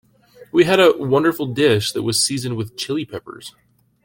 We had a wonderful dish that was seasoned with Chili Peppers.